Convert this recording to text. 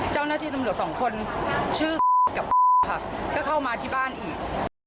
เจ้าหน้าที่ตำรวจสองคนชื่อกับค่ะก็เข้ามาที่บ้านอีก